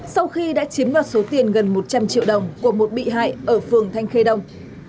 sau khi đã chiếm đoạt số tiền gần một trăm linh triệu đồng của một bị hại ở phường thanh khê đông